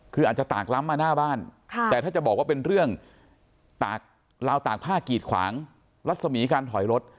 คืออาจจะตากล้ำมาหน้าบ้านแต่ถ้าจะบอกว่าเป็นเรื่องลาวตากผ้ากีดขวางรัศมีการถอยรถ